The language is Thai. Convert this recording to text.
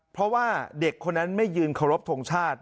เพราะว่าเด็กคนนั้นไม่ยืนเคารพทงชาติ